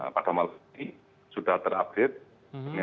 pada malam ini sudah terupdate